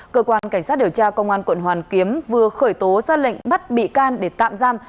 cơ quan cảnh sát điều tra công an quận hoàn kiếm vừa khởi tố ra lệnh bắt bị can để tạm giam